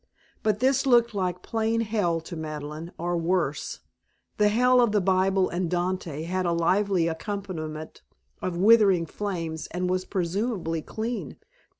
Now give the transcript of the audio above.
But this looked like plain Hell to Madeleine, or worse. The Hell of the Bible and Dante had a lively accompaniment of writhing flames and was presumably clean.